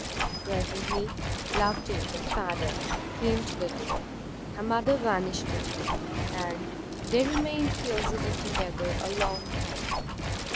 Presently Loveday, the father, came to the door; her mother vanished with him, and they remained closeted together a long time.